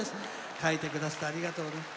書いてくださってありがとうございます。